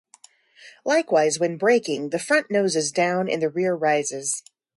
Likewise, when braking the front noses down and the rear rises.